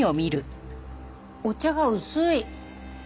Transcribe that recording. お茶が薄い。